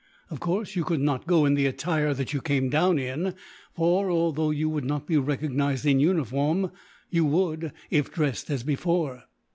Of course, you could not go in the attire that you came down in for, although you would not be recognized in uniform, you would, if dressed as before.